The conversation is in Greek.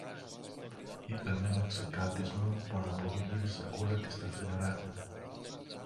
είπε μ' ένα ξεκάρδισμα που αναποδογύρισε όλα της τα φυλλαράκια